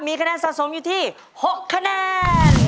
มีคะแนนสะสมอยู่ที่๖คะแนน